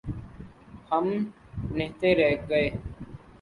ہم نہتے رہ گئے۔